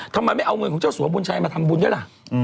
ทำไมไม่เอาเงินของเจ้าสัวบุญชัยมาทำบุญด้วยล่ะ